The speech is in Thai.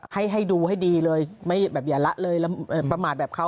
ให้ดูให้ดีเลยไม่แบบอย่าละเลยประมาทแบบเขา